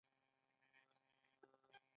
هغه د روښانه کتاب پر مهال د مینې خبرې وکړې.